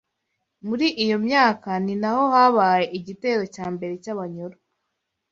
Muri iyo myaka ninaho habaye igitero cya mbere cy’Abanyoro